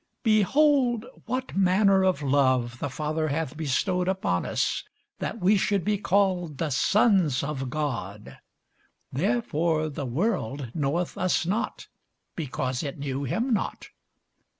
Behold, what manner of love the Father hath bestowed upon us, that we should be called the sons of God: therefore the world knoweth us not, because it knew him not.